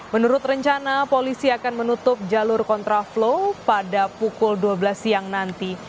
menurut rencana polisi akan menutup jalur kontraflow pada pukul dua belas siang nanti